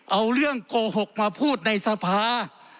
เอาเรื่องโกหกมาพูดในสภา